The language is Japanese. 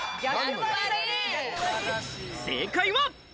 正解は。